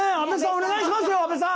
お願いしますよ。